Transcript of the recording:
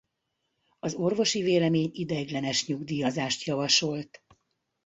Az orvosi vélemény ideiglenes nyugdíjazást javasolt.